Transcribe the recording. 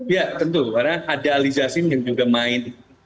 ya tentu karena ada ali zasim yang juga main